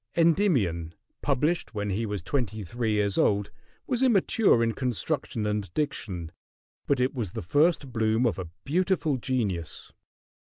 "Endymion," published when he was twenty three years old, was immature in construction and diction; but it was the first bloom of a beautiful genius.